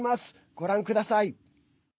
ご覧ください。